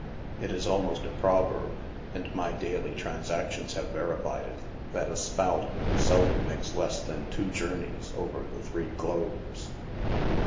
It is almost a proverb, and my daily transac tions have verified it, that a " spout" seldom makes less than two journeys over the three globes.